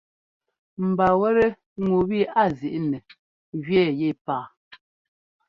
Mba wɛ́tɛ́ ŋu wi a zíʼnɛ́ jʉ́ɛ́ yɛ paa.